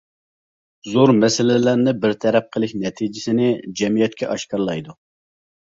زور مەسىلىلەرنى بىر تەرەپ قىلىش نەتىجىسىنى جەمئىيەتكە ئاشكارىلايدۇ.